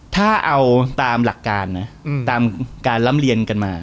ถ้าเอาตามหลักการนะตามการลำเลียนกันมา